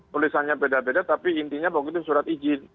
tulisannya beda beda tapi intinya pokoknya itu surat izin